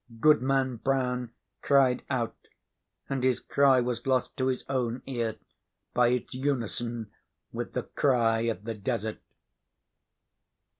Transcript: Goodman Brown cried out, and his cry was lost to his own ear by its unison with the cry of the desert.